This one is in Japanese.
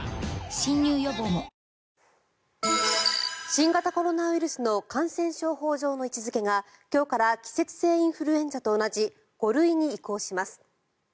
新型コロナウイルスの感染症法上の位置付けが今日から季節性インフルエンザと同じ５類に移行します。